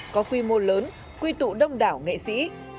có quy mô lớn quy tụ đông đảo nghệ sĩ